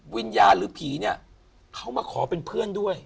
วิญญาณหรือผีเนี่ยเขามาขอเป็นเพื่อนด้วย